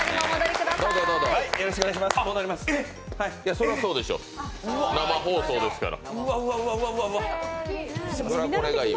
そりゃそうでしょ生放送ですから。